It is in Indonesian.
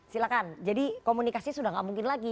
silahkan jadi komunikasi sudah tidak mungkin lagi